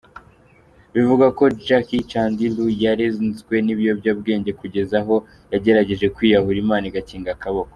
Bivugwa ko Jackie Chandiru yarenzwe n’ibiyobyabwenge kugeza aho yagerageje kwiyahura Imana igakinga akaboko.